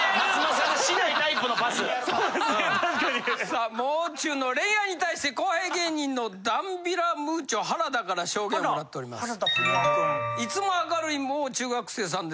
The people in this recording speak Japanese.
さあもう中の恋愛に対して後輩芸人のダンビラムーチョ原田から証言をもらっております。